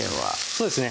そうですね